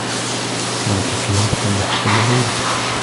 كانت الكلاب تنبح كل ليلة.